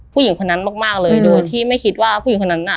ผู้หญิงคนนั้นมากเลยโดยที่ไม่คิดว่าผู้หญิงคนนั้นน่ะ